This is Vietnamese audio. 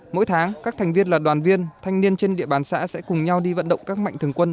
mỗi tháng các thành viên là đoàn viên thanh niên trên địa bàn xã sẽ cùng nhau đi vận động các mạnh thường quân